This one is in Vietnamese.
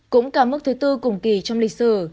cũng cao mức thứ tư cùng kỳ trong lịch sử